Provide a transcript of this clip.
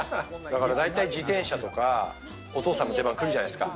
自転車とか、お父さんの出番来るじゃないですか。